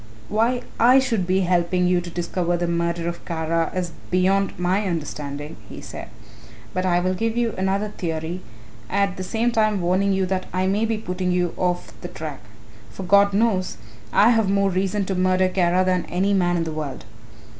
"Why I should be helping you to discover the murderer of Kara is beyond my understanding," he said, "but I will give you another theory, at the same time warning you that I may be putting you off the track. For God knows I have more reason to murder Kara than any man in the world."